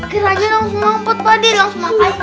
kerajaan langsung mampet pade langsung mampet